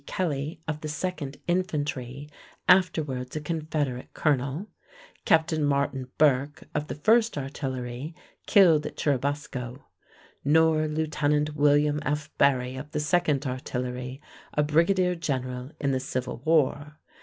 Kelly of the 2nd Infantry, afterwards a Confederate colonel; Captain Martin Burke of the 1st Artillery, killed at Churubusco; nor Lieutenant William F. Barry of the 2nd Artillery, a brigadier general in the Civil War.